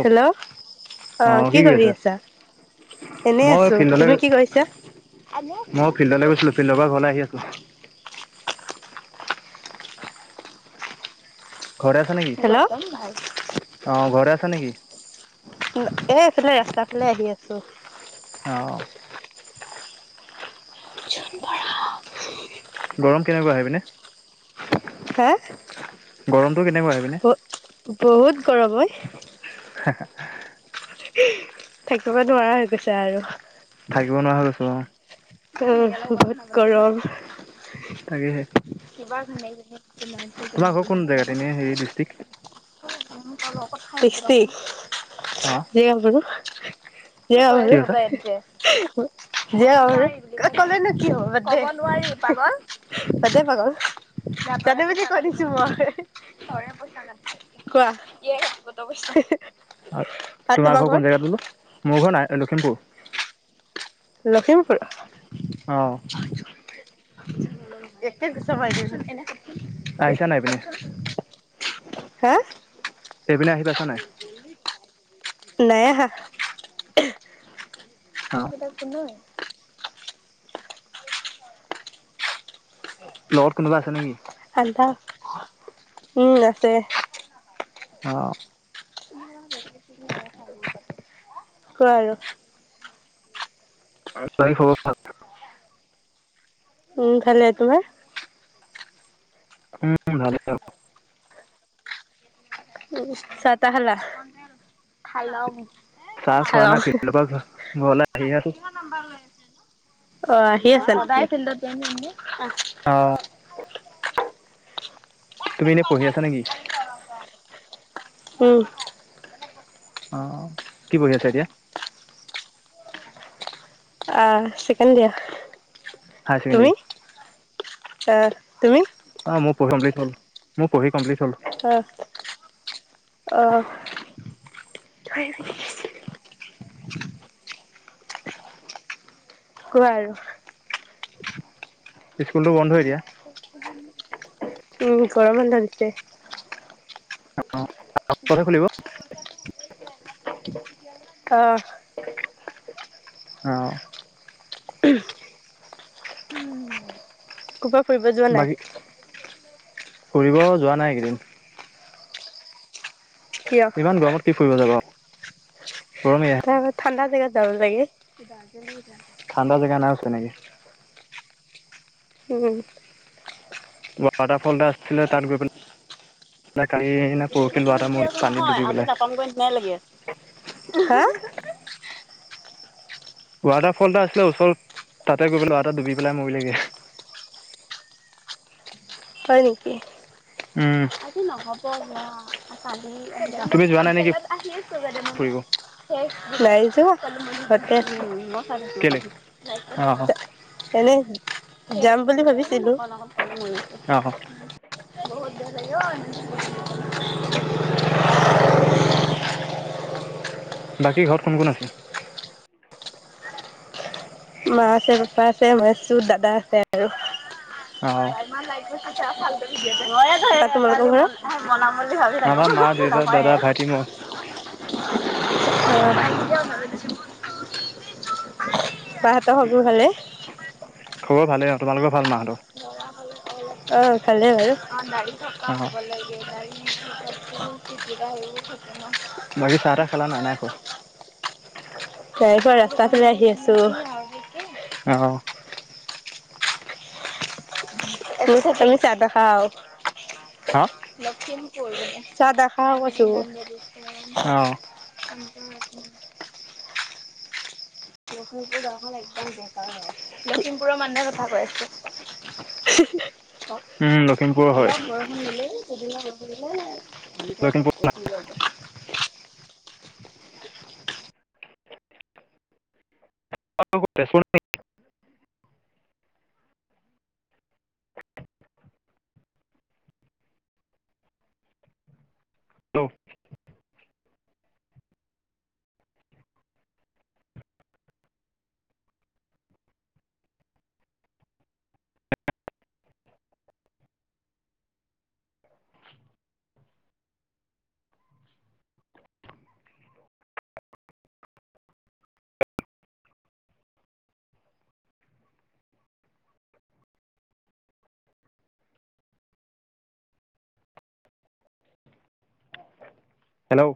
Hello অ' কি কৰি আছা? এনেই মই আছো ফিল্ডলৈ তুমি কি কৰিছা? [unintelligible] ফিল্ডৰ পৰা ঘৰলে আহি আছো। ঘৰতে আছা নেকি? হেল্ল' অ' ঘৰতে আছা নেকি? এ এইফালে ৰাস্তাৰ ফালে আহি আছো। অ'। [unintelligible] গৰম কেনেকুৱা সেইপিনে? হা গৰমটো কেনেকুৱা সেইপিনে? বহুত গৰম ঐ। [unintelligible] থাকিব নোৱাৰা হৈ গৈছে আৰু। থাকিব নোৱাৰা হৈ গৈছো অ'। উম বহুত গৰম। তাকেহে [unintelligible] তোমাৰ ঘৰ কোন জেগাত এনে হেৰি ডিষ্ট্ৰিক। অ [unintelligible] [unintelligible] কি কৈছা যে ক'লে ন কি হ'ব [unintelligible] নোৱাৰি পাগল [unintelligible] পাগল। [unintelligible] কোৱা [unintelligible] তোমাৰ ঘৰ কোন জেগাত বোলো? মোৰ ঘৰ নাই লখিমপুৰ। লখিমপুৰ। অ'। একে ঘোচা মাৰি দিম এনে আহিছা নাই এইপিনে হা? এইপিনে আহি পাইছা নাই? নাই আহা। অ [unintelligible] [unintelligible] লগত কোনোবা আছে নেকি? [unintelligible] উম আছে। অ'। কোৱা আৰু বাকী খবৰ ভাল উম ভালে তোমাৰ উম ভালে হ উ চাহ তাহ খালা খালং চাহ খোৱা খালং নাই ফিল্ডৰ পৰা ঘৰলৈ আহি আছো অ আহি আছে সদায় ফিল্ডত যাম অ তুমি এনে পঢ়ি আছা নে কি উম অ কি পঢ়ি আছা এতিয়া চেকেণ্ড দিয়াৰ হায়াৰ ছেকেণ্ডেৰী? তুমি আ তুমি অ মোৰ পঢ়ি কমপ্লিট হল পঢ়ি কমপ্লিট হ'ল অহ অহ কোৱা আৰু স্কুলটো বন্ধ এতিয়া [unintelligible] উম গৰম বন্ধ দিছে অ অহা সপ্তাহতে খুলিব অ অ উ কব বাকী ফুৰিব যোৱা নাই একেইদিন কিয় ইমান গৰমত কি ফুৰিব যাব গৰমে আ তাপা ঠাণ্ডা জেগাত যাব লাগে দাৰ্জিলিং যা ঠাণ্ডা জেগা নাই চোন এনেকে উম ৱাটাৰ ফল এটা আছিলে তাত গৈ পেলাই [unintelligible] এটা মৰিলে এতিয়াতো পানীত নহয় ডুবি পেলাই। আগৰ বাটাম দিয়া নিচিনাই লাগি আছে হা ৱাটাৰফল এটা আছিলে ওচৰত তাতে গৈ পেলাই লৱা' এটা ডুবি পেলাই মৰিলেগে হয় নিকি উম, আজি নহব ন কালি তুমি [unintelligible] যোৱা নাই নেকি কনতেলত আহি আছে ফুৰিব? [unintelligible] লাই যে সতেজ কেলে? অ', এনে যাম বুলি ভাবিছিলো অলপ আগত পালোহি অ হয় বহুত দেৰি হল ঐ বাকী ঘৰত কোন কোন আছে মা আছে পাপা আছে মই আছো দাদা আছে আৰু অ আৰু তোমালোকৰ ঘৰত মই বনাম আমাৰ মা, দেউতা, বুলি দাদা, ভাইটি, মই। ভাবি থাকো নাহয়য়েই অ অপাহতৰ হ-বোৰ হলে খবৰ ভালেই অ, তোমালোকৰ ভাল মা হতৰ? লৰা হলে অলপ দাৰি থকা অ, হব লাগে। [unintelligible] বাকী চাহ, তাহ খালা নে! নাই খোৱা? নাই খোৱা, ৰাস্তা ফালে আহি আছো। অঁ! [unintelligible] হা লখিমপুৰ, চাহ নাখাওঁ কৈছোঁ। অঁ! [unintelligible] লখিমপুৰ গাঁও খন একেবাৰে বেকাৰ হয়। লখিমপুৰৰ মানুহৰ কথা কৈ আছে। [unintelligible] উম লখিমপুৰৰ হয় অলপ বৰষুণ দিলেই লখিমপুৰ পিছদিনা [unintelligible] [unintelligible] [unintelligible] [inaudible] হেল্ল' হেল্ল'